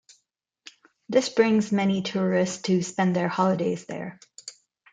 This brings many tourists to spend their holidays there.